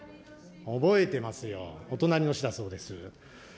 覚えてますよ、お隣の市だそうです。